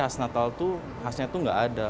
khas natal tuh khasnya tuh gak ada